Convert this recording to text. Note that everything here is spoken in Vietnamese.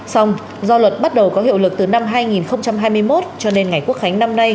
xong do luật bắt đầu có hiệu lực từ năm hai nghìn hai mươi một cho nên ngày quốc khánh năm nay